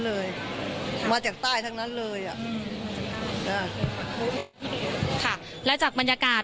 พูดสิทธิ์ข่าวธรรมดาทีวีรายงานสดจากโรงพยาบาลพระนครศรีอยุธยาครับ